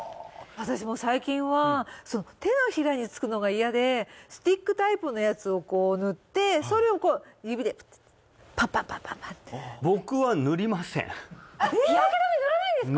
私も最近はその手のひらにつくのが嫌でスティックタイプのやつをこう塗ってそれをこう日焼け止め塗らないんですか！？